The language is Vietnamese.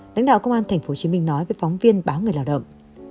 lãnh đạo công an tp hcm nói với phóng viên báo người lao động